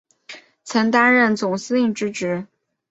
曾担任总司令之职。